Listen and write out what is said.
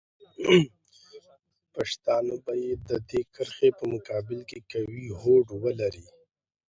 پښتانه باید د دې کرښې په مقابل کې قوي هوډ ولري.